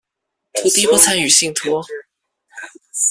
土地不參與信託